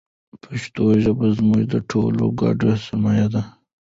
پښتو ژبه زموږ د ټولو ګډه سرمایه ده.